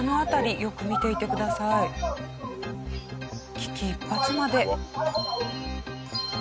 危機一髪まで。